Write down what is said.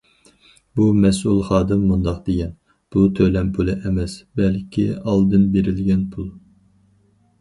بۇ مەسئۇل خادىم مۇنداق دېگەن، بۇ تۆلەم پۇلى ئەمەس، بەلكى ئالدىن بېرىلگەن پۇل.